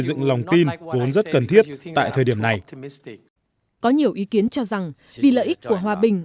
dựng lòng tin vốn rất cần thiết tại thời điểm này có nhiều ý kiến cho rằng vì lợi ích của hòa bình